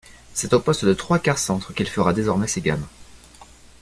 C'est au poste de trois-quart centre qu'il fera désormais ses gammes.